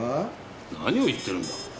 何を言ってるんだ！？